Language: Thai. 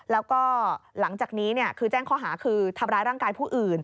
แล้วก็หลังจากนี้คือแจ้งข้อหาคือทำร้ายร่างกายผู้อื่น